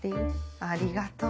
ありがとう。